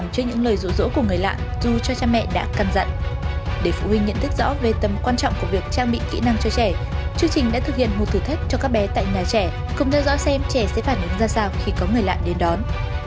chương trình đã thực hiện một thử thách cho các bé tại nhà trẻ cùng theo dõi xem trẻ sẽ phản ứng ra sao khi có người lạ đến đón